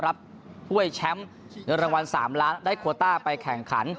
รับท่วยแชมป์ในรางวัล๓ล้านได้ควอต้าไปแข่งขัน